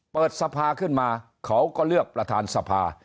เปิดสภาขึ้นมาเขาก็เลือกประธานสภา